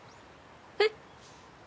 えっ！